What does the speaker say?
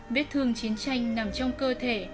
viết thương chiến tranh nằm trong cơ thể